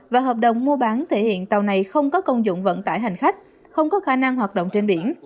và hợp đồng mua bán thể hiện tàu này không có công dụng vận tải hành khách không có khả năng hoạt động trên biển